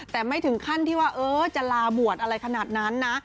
แต่ไม่ถึงขั้นที่ว่าจะลาบวชอะไรขนาดนั้นนะ